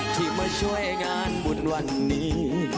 ที่มาช่วยงานบุญวันนี้